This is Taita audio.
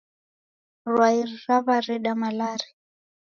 Rwai raw'areda malaria